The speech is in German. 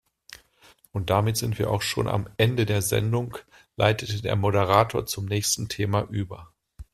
Und damit sind wir auch schon am Ende der Sendung, leitete der Moderator zum nächsten Thema über.